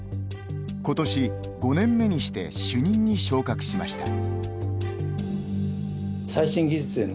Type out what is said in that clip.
今年、５年目にして主任に昇格しました。